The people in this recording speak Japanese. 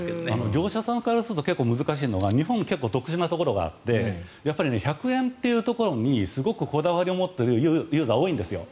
業者さんからすると難しいのは日本って特殊なところがあって１００円というところにこだわりを持っているユーザーって多いんです。